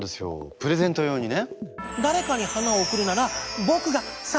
プレゼント用にね。